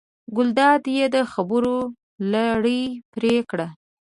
ګلداد یې د خبرو لړ پرې کړ.